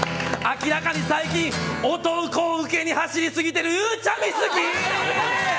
明らかに最近、男ウケに走りすぎてるゆうちゃみ好き。